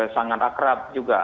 sangat akrab juga